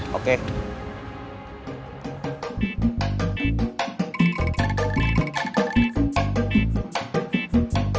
jadi ada banggapan